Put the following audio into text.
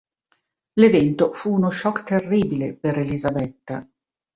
L'evento fu uno shock terribile per Elisabetta.